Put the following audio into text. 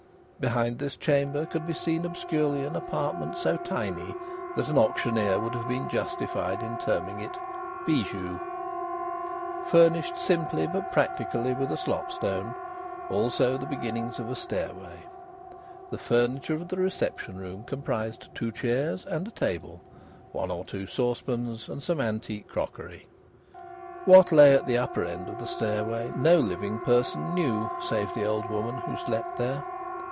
Behind this chamber could be seen obscurely an apartment so tiny that an auctioneer would have been justified in terming it "bijou," Furnished simply but practically with a slopstone; also the beginnings of a stairway. The furniture of the reception room comprised two chairs and a table, one or two saucepans, and some antique crockery. What lay at the upper end of the stairway no living person knew, save the old woman who slept there.